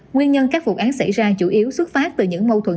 nguyên nhân các vụ án xảy ra chủ yếu xuất phát từ những mâu thuẫn